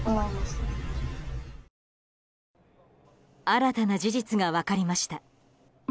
新たな事実が分かりました。